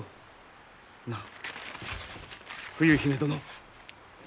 なあ冬姫殿。